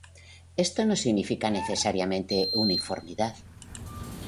Esto no significa necesariamente uniformidad.